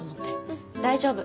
うん大丈夫。